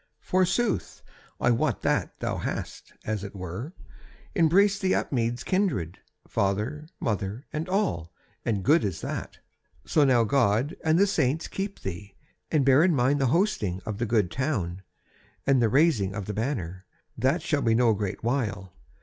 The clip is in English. Forsooth, I wot that thou hast, as it were, embraced the Upmeads kindred, father, mother and all; and good is that! So now God and the Saints keep thee, and bear in mind the hosting of the good town, and the raising of the banner, that shall be no great while.